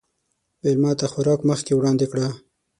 مېلمه ته خوراک مخکې وړاندې کړه.